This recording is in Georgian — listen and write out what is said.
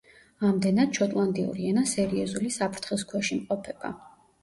ამდენად, შოტლანდიური ენა სერიოზული საფრთხის ქვეშ იმყოფება.